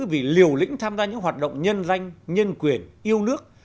vì liều lĩnh tham gia những hoạt động nhân danh nhân quyền yêu nước